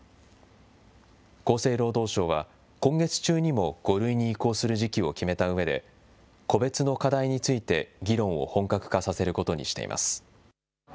厚生労働省は今月中にも５類に移行する時期を決めたうえで、個別の課題について議論を本格化させることにしています。